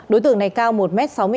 đối tượng này cao một m sáu mươi hai